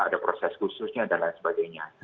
ada proses khususnya dan lain sebagainya